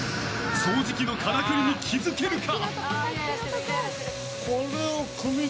掃除機のからくりに気づけるか？